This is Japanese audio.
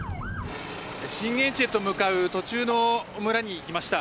震源地へと向かう途中の村に来ました。